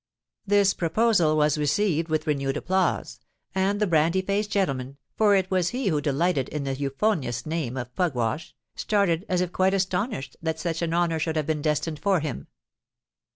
This proposal was received with renewed applause; and the brandy faced gentleman (for he it was who delighted in the euphonious name of Pugwash) started as if quite astonished that such an honour should have been destined for him.